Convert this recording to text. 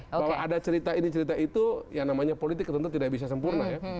bahwa ada cerita ini cerita itu ya namanya politik tentu tidak bisa sempurna ya